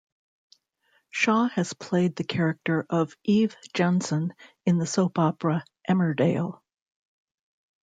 Shaw has played the character of Eve Jenson in the soap opera "Emmerdale".